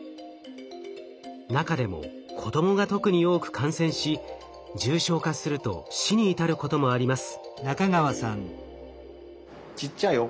中でも子どもが特に多く感染し重症化すると死に至ることもあります。